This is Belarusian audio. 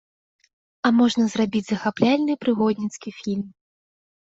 А можна зрабіць захапляльны, прыгодніцкі фільм.